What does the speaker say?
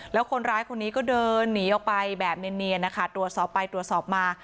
แล้วคนร้ายคนนี้ก็เดินหนีออกไปแบบเนียนนะคะตรวจสอบไปตรวจสอบมา